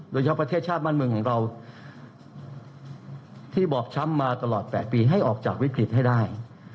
โดยเฉพาะประเทศชาติบ้านเมืองของเราที่บอบช้ำมาตลอด๘ปีให้ออกจากวิกฤตให้ได้